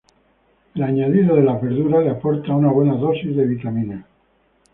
El añadido de las verduras le aporta una buena dosis de vitaminas.